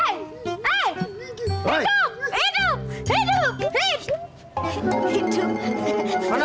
lu dikurungin ayam begitu lu